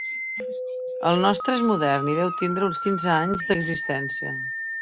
El nostre és modern i deu tindre uns quinze anys d'existència.